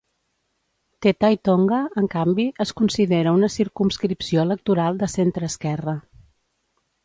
Te Tai Tonga, en canvi, es considera una circumscripció electoral de centreesquerra.